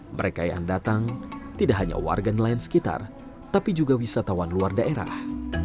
mereka yang datang tidak hanya warga nelayan sekitar tapi juga wisatawan luar daerah